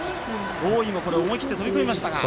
大井も思い切って飛び込みましたが。